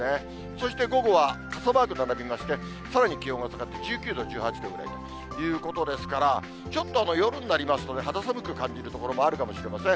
そして午後は、傘マーク並びまして、さらに気温が下がって、１９度、１８度ぐらいということですから、ちょっと夜になりますとね、肌寒く感じる所もあるかもしれません。